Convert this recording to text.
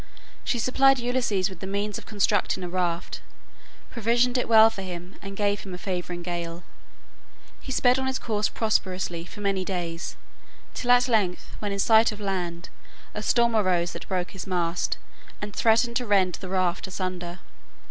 She supplied Ulysses with the means of constructing a raft, provisioned it well for him, and gave him a favoring gale. He sped on his course prosperously for many days, till at length, when in sight of land, a storm arose that broke his mast, and threatened to rend the raft asunder.